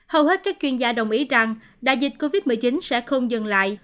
hầu hết các chuyên gia đồng ý rằng đại dịch covid một mươi chín sẽ không dừng lại